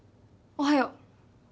おおはよう。